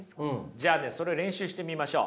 じゃあねそれを練習してみましょう。